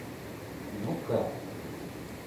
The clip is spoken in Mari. — Ну-ка!